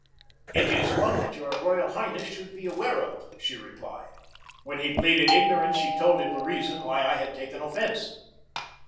"It is one that your Royal Highness should be COMMAND OF ASIATIC SQUADRON 185 aware of," she replied. When he pleaded ignorance she told him the reason why I had taken offence.